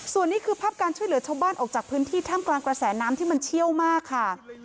ส่วนนี้คือภาพการช่วยเหลือชาวบ้านออกจากพื้นที่ท่ามกลางกระแสน้ำที่มันเชี่ยวมากค่ะ